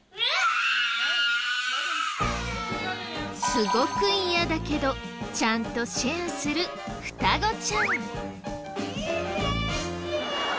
すごく嫌だけどちゃんとシェアする双子ちゃん。